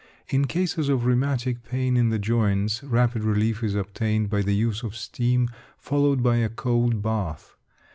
In cases of rheumatic pain in the joints, rapid relief is obtained by the use of steam followed by a cold bath.